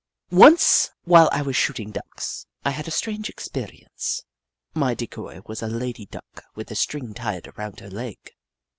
Once, while I was shooting Ducks, I had a strange experience. My decoy was a lady Duck with a string tied around her leg.